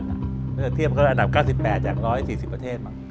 คืออันดับ๙๘จาก๑๔๐ประเทศมาก